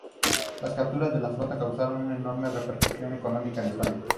Las capturas de la flota causaron una enorme repercusión económica en España.